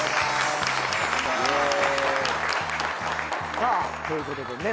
さあということでね